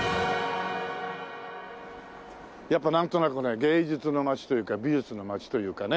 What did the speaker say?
やっぱなんとなくね芸術の街というか美術の街というかね。